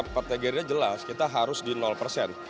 partai gerindra jelas kita harus di persen